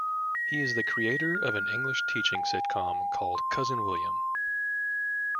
He is the creator of an English teaching sitcom called "Cousin William".